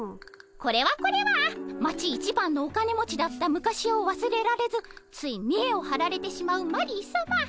これはこれは町一番のお金持ちだった昔をわすれられずついみえをはられてしまうマリーさま。